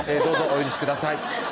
どうぞお許しください